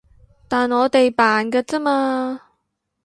但我哋扮㗎咋嘛